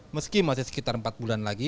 meski masih sekitar empat bulan lagi